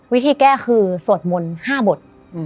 วิธีแก้คือสวดมนต์๕บท